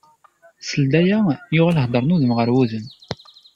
Seld aya yuɣal heddren udem ɣer udem.